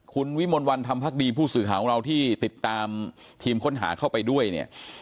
คุณวิมลวันธรรมพักดีผู้สื่อข่าวของเราที่ติดตามทีมค้นหาเข้าไปด้วยเนี่ย